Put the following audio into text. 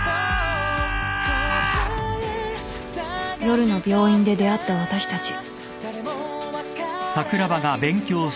［夜の病院で出会った私たち］